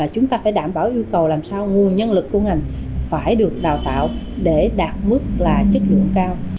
chúng ta phải đảm bảo yêu cầu làm sao nguồn nhân lực của ngành phải được đào tạo để đạt mức là chất lượng cao